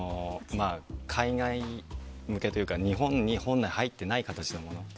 海外向けというか日本に本来入っていない形のもの。